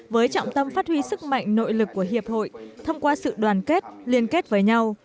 với trọng tâm phát huy sức mạnh nội lực của hiệp hội thông qua sự đoàn kết liên kết với nhau